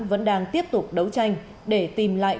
vẫn đang tiếp tục đấu tranh để tìm lại